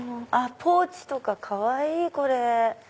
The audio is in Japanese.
ポーチとかかわいい！